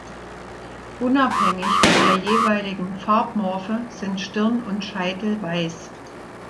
Unabhängig von der jeweiligen Farbmorphe sind Stirn und Scheitel weiß.